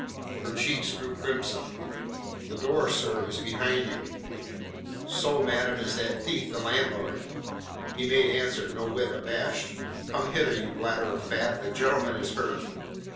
Her cheeks grew crimson. "The door, sir, is behind you." "So, madam, is that thief the landlord," he made answer, no whit abashed. "Come hither, you bladder of fat, the gentleman is hurt."